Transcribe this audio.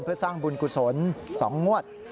เพื่อสร้างบุญกุศล๒งวด